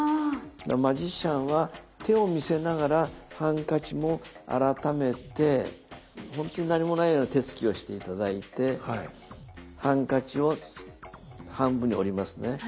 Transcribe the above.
マジシャンは手を見せながらハンカチも改めて本当に何もないような手つきをして頂いてハンカチを半分に折りますね。